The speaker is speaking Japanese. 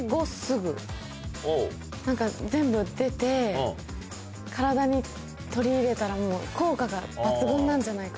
何か全部出て体に取り入れたらもう効果が抜群なんじゃないかなって。